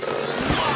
ああ！